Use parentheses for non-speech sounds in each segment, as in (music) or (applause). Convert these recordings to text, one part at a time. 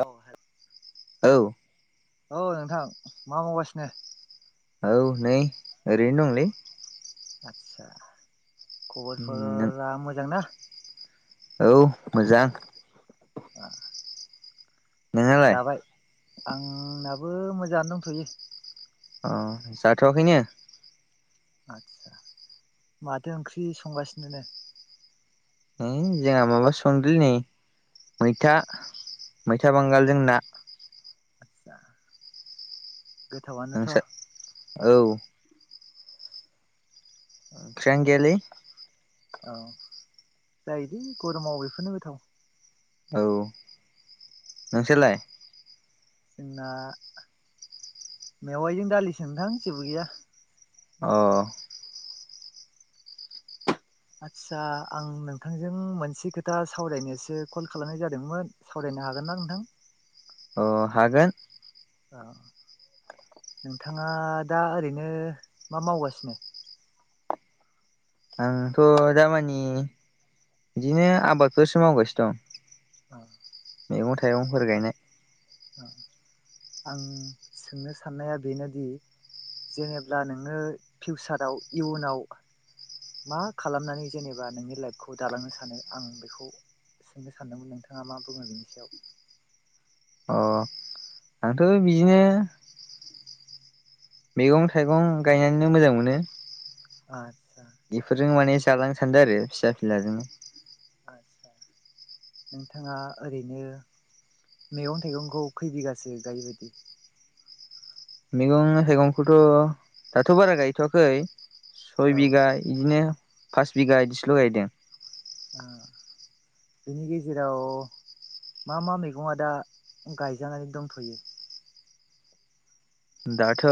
औ औ नोंथां मा मावगासिनो? औ नै ओरैनो दंलै आदसा नों खबरफोरा मोजां ना औ मोजां (inaudible) (unintelligible) नोंहालाय जाबाय आंनाबो मोजाङानो दंथ'यो अ जायाथ'व खैनो आदसा माथो ओंख्रि संगासिनो ने हो जे आमाबा सोंदों नै मैथा मैथा बांगाल जोंना आदसा गोथावानोथ' नोंसा औ ओंख्रियानो गैयालि औ जायोले गरमाव बेफोरनो गोथाव औ नोंसोरलाय जोंना मेवायजों दालि सोनोथां जेबो गैया अ आदसा आं नोंथांजों मोनसे खोथा सावरायनोसो कल खालामनाय जादोंमोन सावरायनाय नायनो हागोन ना नोंथां अ हागोन औ नोंथाङा दा ओरैनो मा मावगासिनो आंथ' दामानि बिदिनो आबादफोरसो मावगासिनो दं औ मैगं थाइगंफोर गायनाय औ आं सोंनो साननाया बेनोदि जेनेब्ला नोङो फिउचाराव इयुनाव मा खालामनानै जेनेबा नोंनि लाइफखौ दालांनो सानो आं बेखौ सोंनो सानदोंमोन नोंथाङा मा बुङो बेनि सायाव अ आंथ' बिदिनो मैगं थाइगं गायनानैनो मोजां मोनो आतसा बेफोरजों माने जालांनो सानदों आरो फिसा फिलाजोंनो आस्सा नोंथाङा ओरैनो मैगं थाइगंखौ खै बिगासो गायो बायदि मैगं थाइगंखौथ' दाथ' बारा गायथ'वाखै सय औ बिघा बिदिनो फास बिगा बिदिसल' गायदों बेनि गेजेराव मा मा मैगं आ दा गायजानानै दंथ'यो दाथ'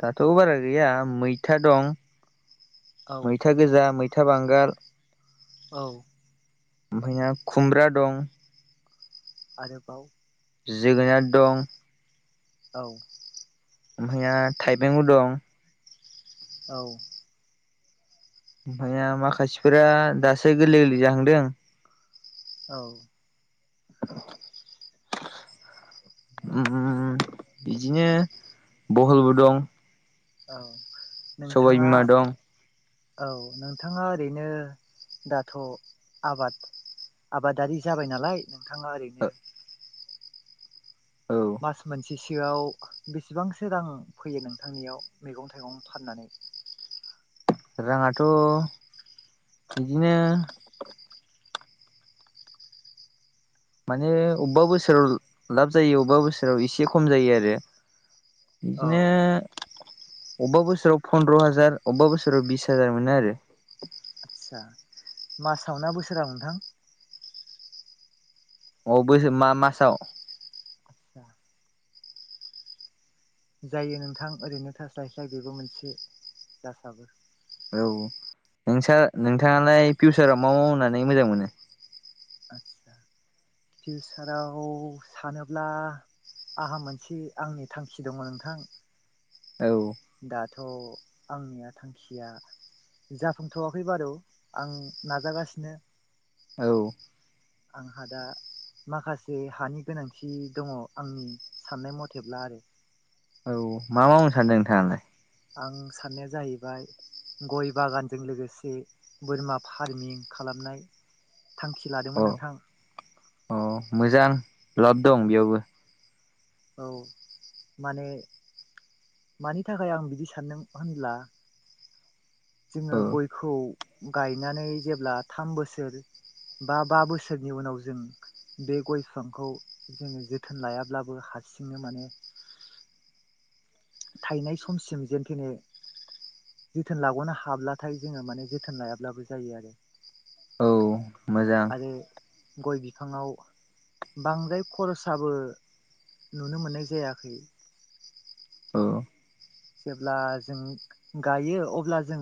दाथ' बारा गैया मैथा दं औ मैथा गोजा मैथा मिथा बांगाल औ ओमफ्राय ना खुमब्रा दं आरोबाव जोगोनार दं औ ओमफाया थाइबेंबो दं औ ओमफाया माखासेफोरा दासो गोरलै गोरलै जाहांदों औ ओम बिदिनो बहलबो दं औ सबाय नोंथाङा बिमा दं औ नोंथाङा ओरैनो दाथ आबाद आबादारि जाबाय नालाय नोंथाङा ओरैनो औ मास मोन सेसोआव बेसेबांसो रां फैयो नोंथांनियाव मैगं-थाइगं फाननानै (inaudible) राङाथ बिदिनो माने अबेबा बोसोराव लाब जायो अबेबा बोसोराव एसे खम जायो आरो औ इदिनो अबेबा बोसोराव फन्द्र हाजार अबेबा बोसोराव बिस हाजार मोनो आरो आस्सा मासाव ना बोसोराव नोंथां अ बोसो मा मासाव आदसा जायो नोंथां ओरैनो थास्लायस्लाय बेबो मोनसे जासाबो औ नोंसा नोंथाङालाय फिउचाराव मा मावनानै मोजां मोनो। आदसा फिउसाराव सानोब्ला आंहा मोनसे आंनि थांखि दङ नोंथां। औ दाथ आंनिया थांखिया जाफुंथवाखै बारु आं नाजागासिनो औ आंहा दा माखासे हानि गोनांथि दङ आंनि साननाय मथेब्ला आरो औ मा मावनो सानदों नोंथाङालाय आं साननाया जाहैबाय गय बागानजों लोगोसे बोरमा फार्मिं खा लामनाय थांखि लादोंमोन अ नोंथां। अ मोजां लाब दं बेयावबो औ माने मानि थाखाय आं बिदि सानदों होनब्ला जोङो औ गयखौ गायनानै जेब्ला थाम बोसोर बा बा बोसोरनि उनाव जों बे गय बिफांखौ जोङो जोथोन लायाब्लाबो हारसिंनो माने थायनाय समसिम जेनथेने जोथोन लागनो हाब्लाथाय जोङो माने जोथोन लायाब्लाबो जायो आरो औ मोजां आरो गय बिफाङाव बांद्राय खरसाबो नुनो मोननाय जायाखै औ जेब्ला जों गायो अब्ला जों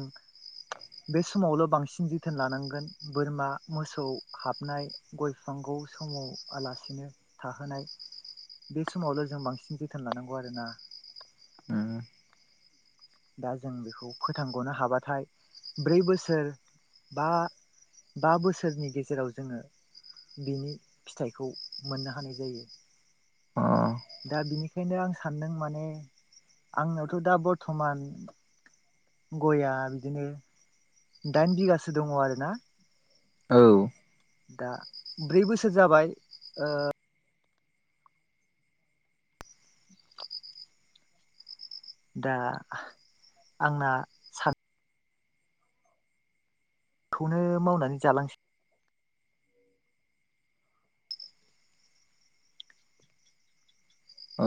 बे समावल बांसिन जोथोन लानांगोन बोरमा मोसौ हाबनाय गय बिफां खौ सोमाव आलासिनो थाहोनाय बे समावल जों बांसिन जोथोन लानांगौ आरोना ओम दा जों बेखौ फोथांग'नो हाबाथाय ब्रै बोसोर बा बा बोसोरनि गेजेराव जोङो बेनि फिथाइखौ मोननो हानाय जायो दा बिनिखायनो आं सानदों माने आंनावथ' दा बरथमान गयआ बिदिनो दाइन बिगासो दङ आरोना औ दा ब्रै बोसोर जाबाय ओ दा आंना सान खौनो मावनानै जालांसै। ओ।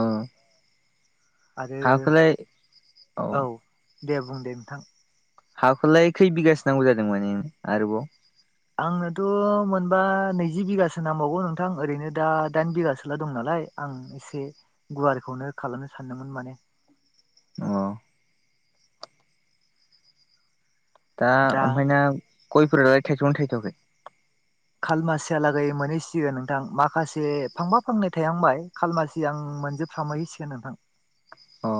आरो अ औ दे बुं दे नोंथां। हाखौलाय खै बिगासि नांगौ जादों माने आरोबाव? आंनोथ' मोनबा नैजि बिगासो नांबावगौ नोंथां ओरैनो दा दाइन बिगासोल दं नालाय। आय आं एसे गुवारखौनो खालामनो सानदोंमोन माने। अ। दा ओमफाय ना गयफोरालाय थायथदोंना थायथआखै? खालमासियालागै मोनहैसिगोन नोंथां माखासे फांबा फांनै थायहांबाय खालमासि आं आं मोनजोबफामैसिगोन नोंथां। अ।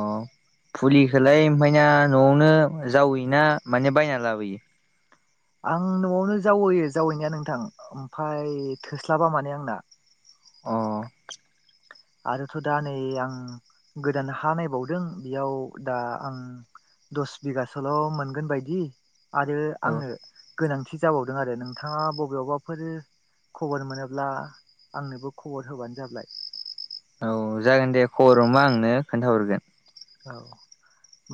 फुलिखौलाय ओमफायना न'आवनो जावैओना माने बायना लाबोयो? आं न'आवनो जावैयो जावैनाया नोंथां ओमफाय थोस्लाबा माने आंना। अ। आरोथ' दा नै आं गोदान हा नायबावदों बेयाव दा आं दस बिगासोल' मोनगोन बायदि आरो औ आंनो गोनांथि जाबावदों आरो नोंथाङा बबेयावबाफोर खबर मोनोब्ला आंनोबो खबर होबानो जाबाय। औ जागोन दे खबर हमबा आं नो खोन्थाहरगोन। औ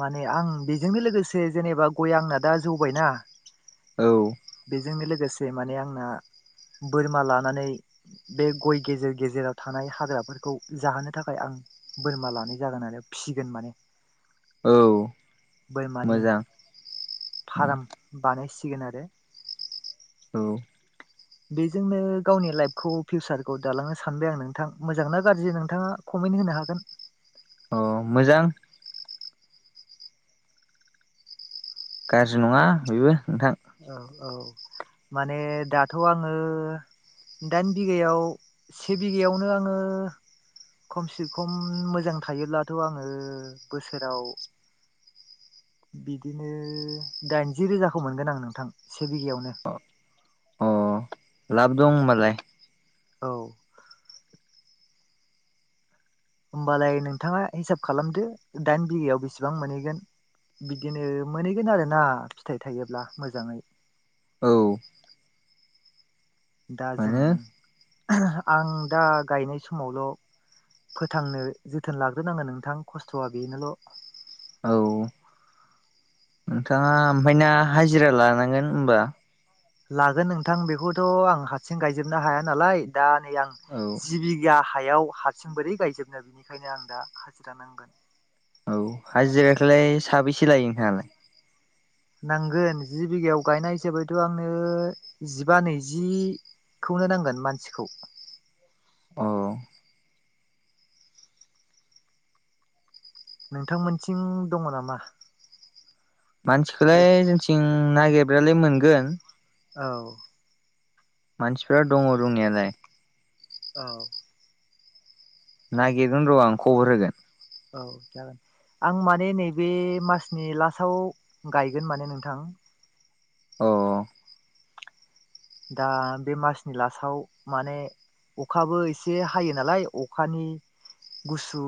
माने आं बेजोंनो लोगोसे जेनेबा गय आंना दा जौबायना औ। बेजोंनो लोगोसे माने आंना बोरमा लानानै बे गय गेजेर गेजेराव थानाय हाग्राफोरखौ जाहोनो थाखाय आं बोरमा लानाय जागोन होननानै फिसिगोन माने। औ बोरमानि मोजां फाराम बानायसि सिगोन आरो। औ। बेजोंनो गावनि लाइफखौ फिउसारखौ दालांनो सानबाय आं नोंथां मोजां ना गाज्रि नोंथाङा खम मेन होनो हागोन। औ मोजां। गाज्रि नङा बेबो नोंथां। औ औ माने दाथ' आंङो दाइन बिगायाव से बिघायावनो आंङो खमसे खम मोजां थायोब्लाथ' आंङो बोसोराव बिदिनो दाइनजि रोजाखौ मोनगोन आं नों थां से बिघायावनो। लाभ दं होनबालाय। औ। होमबालाय नोंथाङा हिसाब खालामदो दाइन बिघायाव बेसेबां मोनहैगोन। बिदिनो मोनहैगोन आरोना फिथाइ थायोब्ला मोजाङै। औ। दा जों मोनो आं दा गायनाय समावल' फोथांनो जोथोन लाग्रोनांगोन नोंथां खस्थ'आ बेनोल' औ। नोंथाङा ओमफ्राय ना हाजिरा लानांगोन होमबा लागोन नोंथां बेखौथ' आं हारसिं गायजोबनो हाया नालाय दा आं औ जिबिगा हायाव हारसिं बोरै गायजोबनो बिनिखायनो आं दा हाजिरा नांगोन। औ हाजिराखौलाय साबैसे लायो नोंथाङालाय? नांगोन जि बिघायाव गायनाय हिसाबैथ'आंनो जिबा नैजि खौनो नांगोन मानसिखौ। औ। नोंथांमोनथिं दङ नामा? मानसिखौलाय बे जोंथिं नागिरब्लालाय मोनगोन। औ। मानसिफ्रा दङ' दंनायालाय। औ। नागिरगोन र' आं खबर होगोन। औ जागोन आं माने नैबे मासनि लास्टाव गायगोन माने नोंथां। औ औ। दा बे मासनि लास्टाव माने अखाबो एसे हायो नालाय अखानि गुसु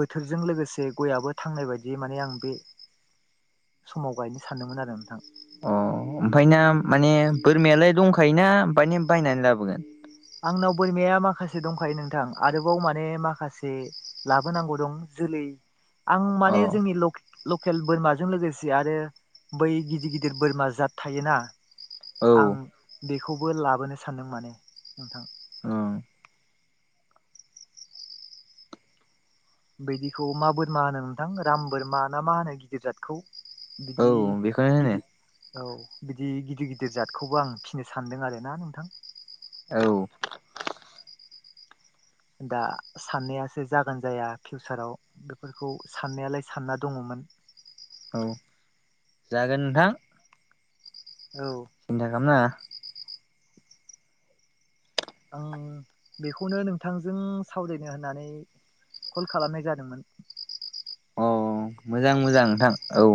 बोथोरजों लोगोसे गयाबो थांनाय बायदि माने आं बे समाव गायनो सानदोंमोन आरो नोंथां। अ ओमफ्राय नों माने बोरमायालाय दंखायोना अब्बानि बायनानै लाबोगोन? आंनाव बोरमाया माखासे दंखायो नोंथां आरोबाव माने माखासे लाबोनांगौ दं जो लै आं अ माने जोंनि लके लकेल बोरमाजों लोगोसे आरो बै गिदिर गिदिर बोरमा जात थायोना आं औ बेखौबो लाबोनो सानदों माने नोंथां। ओं। बिदिखौ मा बोरमा होनो नोंथां राम बोरमा ना मा होनो गिदिर जादखौ? औ बिदि बेखौनो होनो गिदिर औ बिदि गिदिर गिदिर जातखौबो आं फिनो सानदों आरो ना नोंथां। औ। दा साननायासो जागोन जाया फिउसाराव बेफोरखौ साननायालाय सानना दङ'मोन। (unintelligible) औ जागोन नोंथां। औ सिन्था खालामनाङा। आं बेखौनो नोंथांजों सावरायनो होननानै कल खालामनाय जादोंमोन। औ मोजां मोजां नोंथां औ।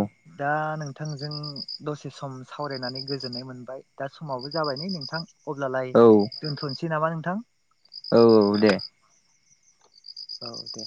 दा नोंथांजों दसे सम सावरायनानै गोजोननाय मोनबाय दा समावबो जाबाय नै नोंथां। अब्लालाय औ दोनथ'नोसै नामा नोंथां? औ औ दे। औ दे।